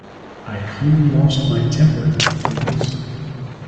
I clean lost my temper, the fools!